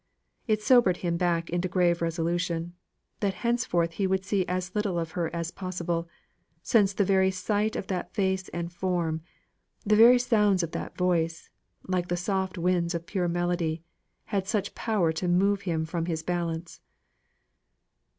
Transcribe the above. It sobered him back into grave resolution that henceforth he would see as little of her as possible, since the very sight of that face and form, the very sounds of that voice (like the soft winds of pure melody) had such power to move him from his balance.